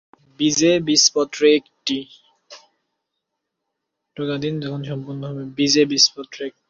উনিশ শতকের শুরুর দিকে পর্তুগিজদের আগমনের পর অঞ্চলটি 'ফিরিঙ্গি বন্দর' নামে পরিচিত ছিল।